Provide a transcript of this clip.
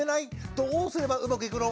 どうすればうまくいくの？